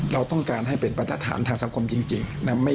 เราต้องการให้เป็นปฏิฐานทางสังคมจริงนะ